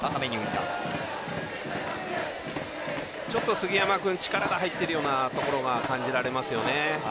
杉山君力が入っているところが感じられますよね。